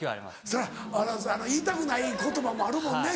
そりゃ言いたくない言葉もあるもんね